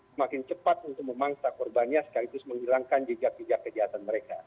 semakin cepat untuk memangsa korbannya sekaligus menghilangkan jejak jejak kejahatan mereka